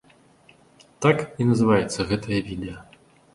Так і называецца гэтае відэа.